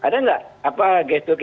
dia apa yang menghalangi